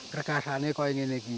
kekasannya kalau ingin lagi